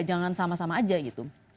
jangan sama sama aja gitu